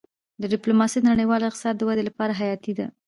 ډيپلوماسي د نړیوال اقتصاد د ودې لپاره حیاتي ده.